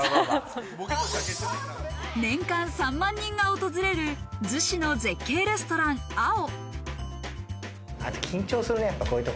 年間３万人が訪れる逗子の絶景レストラン、ＡＯ。